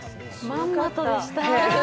まんまとでした。